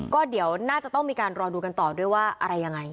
ก็เดี๋ยวน่าจะต้องมีการรอดูกันต่อด้วยว่าอะไรยังไง